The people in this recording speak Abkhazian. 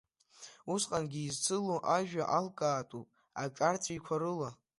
Усҟангьы изцыло ажәа алкаатәуп аҿарҵәиқәа рыла…